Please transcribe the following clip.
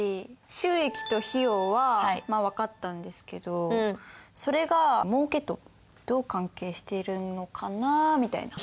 収益と費用は分かったんですけどそれがもうけとどう関係してるのかなみたいな。